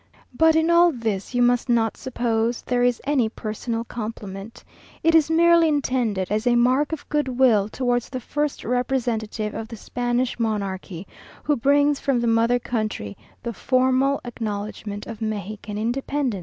... But in all this you must not suppose there is any personal compliment. It is merely intended as a mark of good will towards the first representative of the Spanish monarchy who brings from the mother country the formal acknowledgment of Mexican independence.